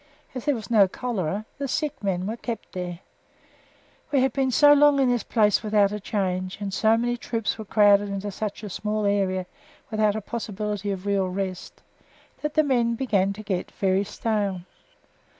As there was no cholera, the sick men were kept here. We had been so long in this place without a change, and so many troops were crowded into such a small area, without a possibility of real rest, that the men began to get very stale.